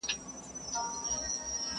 نه یې مینه سوای له زړه څخه شړلای!!